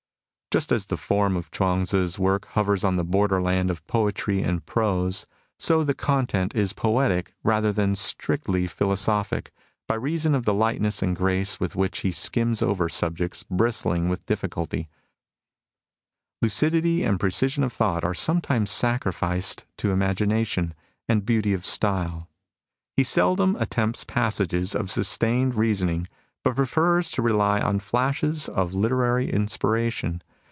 Just as the form of Chuang Tzu's work hovers on the borderland of poetry and prose, so the content is poetic rather than strictly philosophic, by reason of the lightness and grace with which he skims over subjects bristling with difficulty. Lucidity and precision of thought are sometimes sacrificed to imagination and beauty of style. He seldom attempts passages of sustained rea soning, but prefers to rely on fiashes of literary 1 See p, 50. CHUANG TZlJ'S METHOD 29 inspiration.